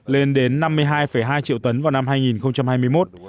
lên đến năm mươi hai hai triệu tấn vào năm hai nghìn hai mươi một